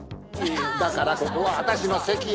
だからここは私の席よ。